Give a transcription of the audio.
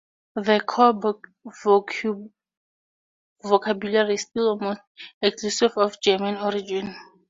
The core vocabulary is still almost exclusively of German origin.